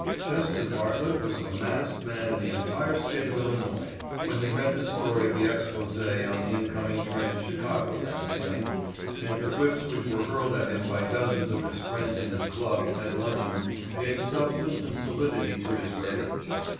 Chester Bartlett was the maddest man in the entire state of Illinois when he read the story of the expose on the incoming train to Chicago that morning and the quips which were hurled at him by dozens of his friends in his club at luncheon gave substance and solidity to his rage.